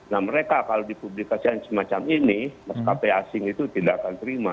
nah mereka kalau dipublikasikan semacam ini maskapai asing itu tidak akan terima